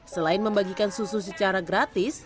selain membagikan susu secara gratis